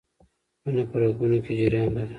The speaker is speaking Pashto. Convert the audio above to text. وینه په رګونو کې جریان لري